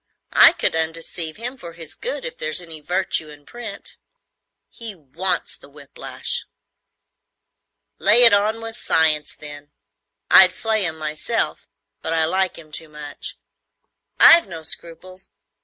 I could undeceive him for his good, if there's any virtue in print. He wants the whiplash." "Lay it on with science, then. I'd flay him myself, but I like him too much." "I've no scruples.